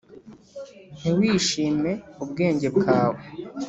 ntiwishime ubwenge bwawe,